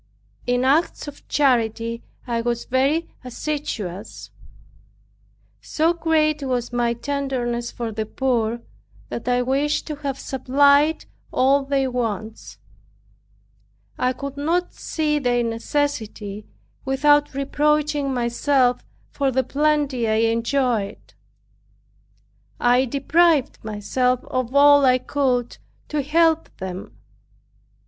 In acts of charity I was very assiduous. So great was my tenderness for the poor, that I wished to have supplied all their wants. I could not see their necessity without reproaching myself for the plenty I enjoyed. I deprived myself of all I could to help them.